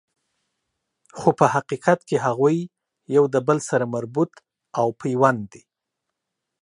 خو په حقیقت کی هغوی یو د بل سره مربوط او پیوند دي